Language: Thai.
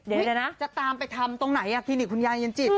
เดี๋ยวนะจะตามไปทำตรงไหนคลินิกคุณยายเย็นจิต